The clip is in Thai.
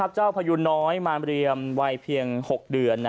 เจ้าพยูนน้อยมาเรียมไวยเพียง๖เดือน